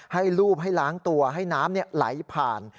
ลูบให้ล้างตัวให้น้ำไหลผ่าน